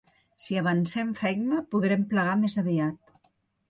Si avancem feina, podrem plegar més aviat.